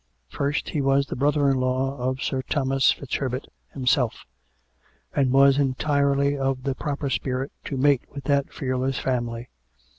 First he was the brother in law of Sir Thomas FitzHerbert himself; and was entirely of the proper spirit to mate with that fearless family.